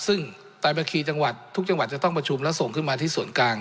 ซึ่งตามบัญชีจังหวัดทุกจังหวัดจะต้องประชุมและส่งขึ้นมาที่ส่วนกลาง